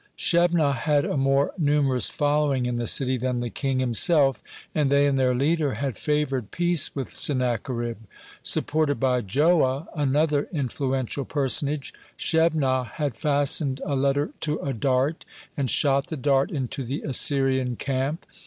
(62) Shebnah had a more numerous following in the city than the king himself, (63) and they and their leader had favored peace with Sennacherib. Supported by Joah, another influential personage, Shebnah had fastened a letter to a dart, and shot the dart into the Assyrian camp.